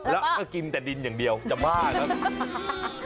แล้วก็กินแต่ดินอย่างเดียวจะบ้าแล้ว